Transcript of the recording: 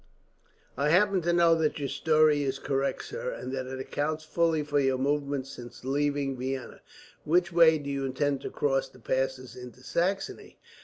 "I happen to know that your story is correct, sir, and that it accounts fully for your movements since leaving Vienna. Which way do you intend to cross the passes into Saxony?"